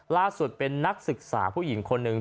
ล่าสุดเป็นนักศึกษาผู้หญิงคนหนึ่ง